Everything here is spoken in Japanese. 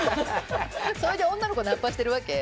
それで女の子をナンパしているわけ。